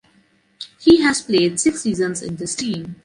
He has played six seasons in this team.